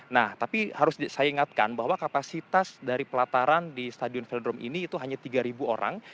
nah tapi harus saya ingatkan bahwa kapasitas dari pelataran di stadion velodrome ini itu hanya tiga orang